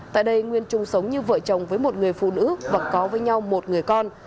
tại đây nguyên chung sống như vợ chồng với một người phụ nữ và có với nhau một người con